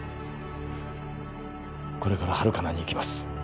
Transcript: これからハルカナに行きます